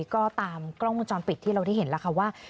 ก็ตามกล้องวงจรปิดที่เราได้เห็นแล้วค่ะว่า